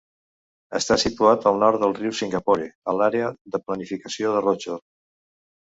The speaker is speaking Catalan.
Està situat al nord del riu Singapore, a l'àrea de planificació de Rochor.